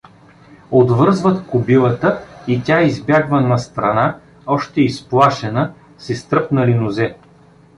Отвързват кобилата и тя избягва настрана, още изплашена, с изтръпнали нозе.